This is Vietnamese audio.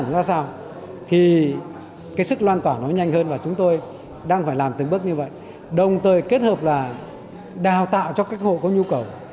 đồng thời kết hợp là đào tạo cho các hộ có nhu cầu